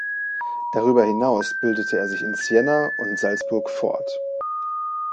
Darüber hinaus bildete er sich in Siena und Salzburg fort.